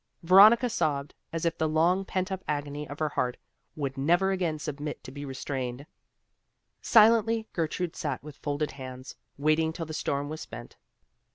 Veronica sobbed as if the long pent up agony of her heart would never again submit to be restrained. Silently Gertrude sat with folded hands, waiting till the storm was spent.